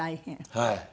はい。